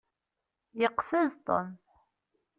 Yeqfez Tom.